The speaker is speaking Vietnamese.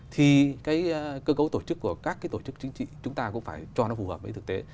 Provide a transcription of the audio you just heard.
thì cái cơ cấu tổ chức của các cái tổ chức chính trị chúng ta cũng phải cho nó phù hợp với thực tế